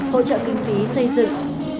hỗ trợ kinh phí xây dựng